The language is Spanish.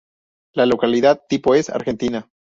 La localidad tipo es: Argentina.